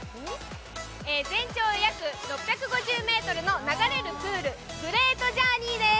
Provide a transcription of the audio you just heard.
全長約６５０ｍの流れるプール、グレートジャーニーです。